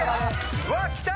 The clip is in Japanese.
うわー、きた！